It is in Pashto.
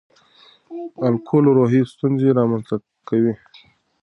الکول روحي ستونزې رامنځ ته کوي.